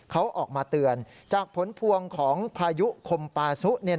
เขาออกมาเตือนจากผลพวงของพายุคมปาซุ